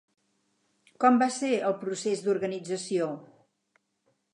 Com va ser el procés d'organització?